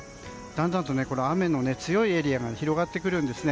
だんだんと雨の強いエリアが広がってくるんです。